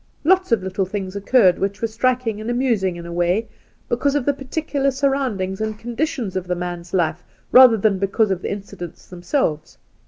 ' Lots of little things occurred which were strik ing and amusing in a way, because of the peculiar surroundings and conditions of the man's life rather than because of the incidents themselves.